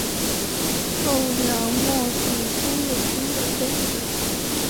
后梁末帝朱友贞的妃子。